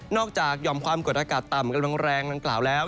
จากหย่อมความกดอากาศต่ำกำลังแรงดังกล่าวแล้ว